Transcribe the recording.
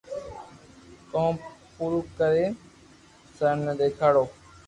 ڪوم پورو ڪرين سر نو دآکارو